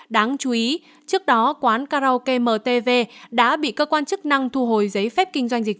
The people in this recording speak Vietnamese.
đáng chú ý trước đó quán karaoke mtv đã bị cơ quan chức năng thu hồi giấy phép kinh doanh dịch